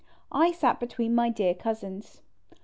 I sat between my dear Cousins.